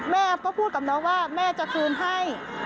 แม่แอฟก็พูดกับน้องว่าแม่จะคืนให้